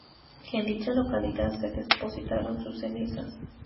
En dicha localidad se depositaron sus cenizas.